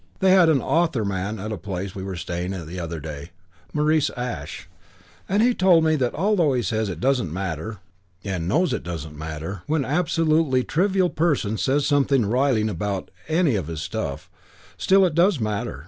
They had an author man at a place we were staying at the other day Maurice Ash and he told me that although he says it doesn't matter, and knows it doesn't matter, when an absolutely trivial person says something riling about any of his stuff, still it does matter.